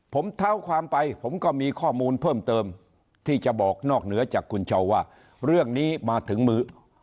ผมเท้าความไปผมก็มีข้อมูลเพิ่มเติมที่จะบอกนอกเหนือจากคุณชาวว่าเรื่องนี้มาถึงมือ